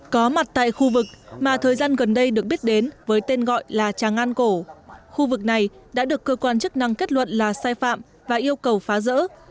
có mặt tại khu vực mà thời gian gần đây được biết đến với tên gọi là tràng an cổ khu vực này đã được cơ quan chức năng kết luận là sai phạm và yêu cầu phá rỡ